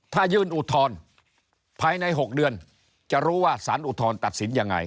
ถ้ายื่นอุดทอนภายในหกเดือนจะรู้ว่าสารอุดทอนตัดสินยังไง